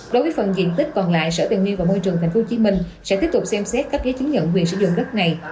đối với phần diện tích còn lại sở tài nguyên và môi trường tp hcm sẽ tiếp tục xem xét các giấy chứng nhận quyền sử dụng đất này